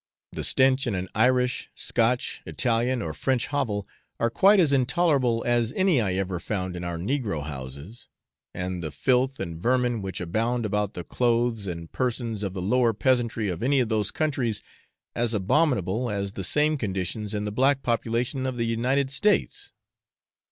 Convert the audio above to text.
The stench in an Irish, Scotch, Italian, or French hovel are quite as intolerable as any I ever found in our negro houses, and the filth and vermin which abound about the clothes and persons of the lower peasantry of any of those countries as abominable as the same conditions in the black population of the United States.